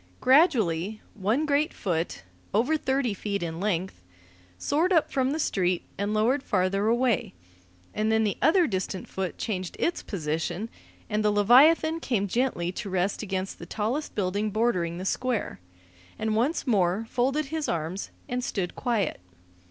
Gradually, one great foot, over thirty feet in length, soared up from the street and lowered farther away, and then the other distant foot changed its position; and the leviathan came gently to rest against the tallest building bordering the Square, and once more folded his arms and stood quiet.